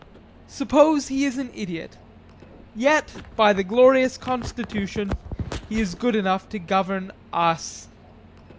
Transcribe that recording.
Suppose he is an idiot; yet, by the glorious constitution, he is good enough to govern US.